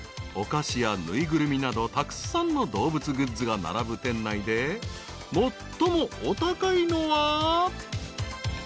［お菓子や縫いぐるみなどたくさんの動物グッズが並ぶ店内で最もお高いのは］